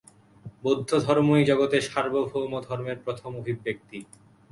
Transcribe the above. বৌদ্ধধর্মই জগতের সার্বভৌম ধর্মের প্রথম অভিব্যক্তি।